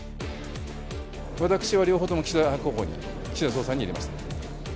私は両方とも岸田候補に、岸田総裁に入れました。